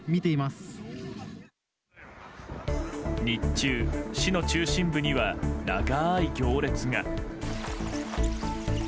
日中、市の中心部には長い行列が。